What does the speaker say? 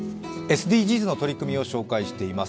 ＳＤＧｓの取り組みを紹介しています。